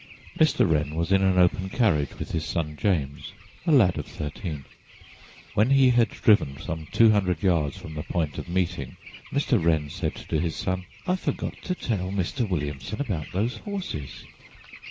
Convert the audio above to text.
Mr. Wren was in an open carriage with his son James, a lad of thirteen. When he had driven some two hundred yards from the point of meeting, Mr. Wren said to his son: "I forgot to tell Mr. Williamson about those horses."